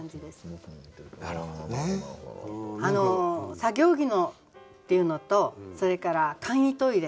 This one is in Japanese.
「作業着の」っていうのとそれから「簡易トイレ」